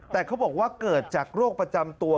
แต่เขาบอกว่าเกิดจากโรคประจำตัว